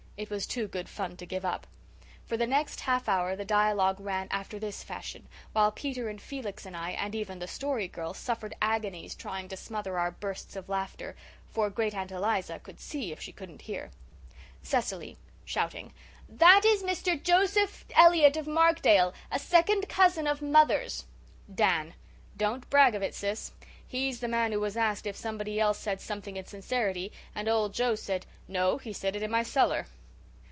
It was too good fun to give up. For the next half hour the dialogue ran after this fashion, while Peter and Felix and I, and even the Story Girl, suffered agonies trying to smother our bursts of laughter for Great aunt Eliza could see if she couldn't hear: CECILY, SHOUTING: "That is Mr. Joseph Elliott of Markdale, a second cousin of mother's." DAN: "Don't brag of it, Sis. He's the man who was asked if somebody else said something in sincerity and old Joe said 'No, he said it in my cellar.